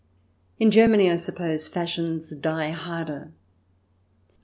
In Germany, I suppose, fashions die harder.